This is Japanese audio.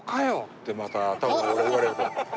ってまた多分俺は言われると思う。